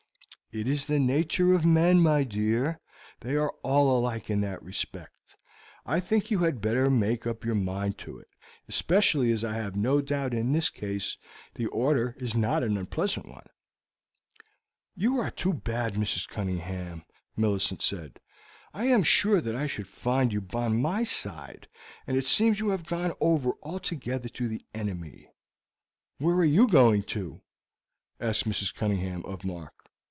"It is the nature of men, my dear; they are all alike in that respect. I think you had better make up your mind to it, especially as I have no doubt in this case the order is not a very unpleasant one." "You are too bad, Mrs. Cunningham," Millicent said. "I made sure that I should find you on my side, and it seems you have gone over altogether to the enemy." "Where are you going to?" asked Mrs. Cunningham of Mark.